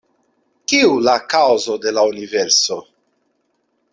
Kiu la kaŭzo de la universo?